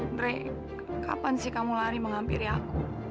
andre kapan sih kamu lari menghampiri aku